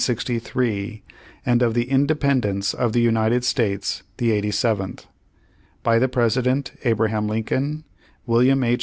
Lord 1863, and of the independence of the United States the 87th. "By the President: ABRAHAM LINCOLN. "William H.